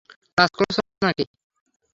কাজ করছ নাকি?